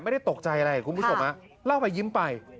ไม่ได้ตกใจอะไรเหรอคุณผู้ชมมาล่อไปยินไป